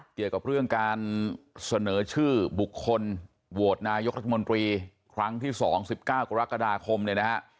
เกี่ยวกับเรื่องการเสนอชื่อบุคคลโหวตนายกรัฐมนตรีครั้งที่๒๑๙กรกฎาคมเนี่ยนะฮะ